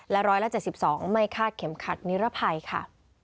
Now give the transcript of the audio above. และร้อยละ๗๒ไม่คาดเข็มขัดนิรภัยค่ะ